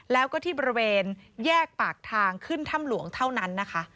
แล้วก็ที่บริเวณแยกปากทางขึ้นถ้ำหลวงเท่านั้นนะคะ